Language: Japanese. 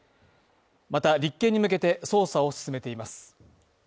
また、立件に向けて捜査を進めています。